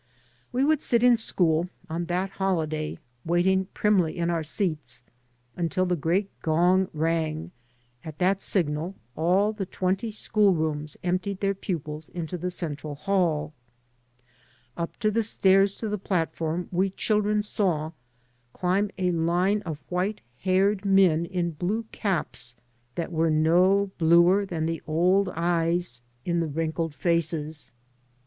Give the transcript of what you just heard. We would sit in school, on that holiday, waiting primly in our seats until the great gong rang; at that signal all the twenty school rooms emptied their pupils into the central hall. Up the stairs to the platform we children saw climb a line of white haired men in blue caps that were no bluer than the old eyes tn the D.D.t.zea by Google MY MOTHER AND I wrinkled faces.